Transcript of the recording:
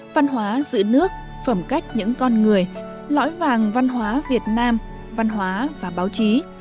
văn hóa giữ nước phẩm cách những con người lõi vàng văn hóa việt nam văn hóa và báo chí